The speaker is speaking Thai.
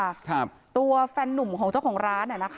แล้วก็มาก่อเหตุอย่างที่คุณผู้ชมเห็นในคลิปนะคะ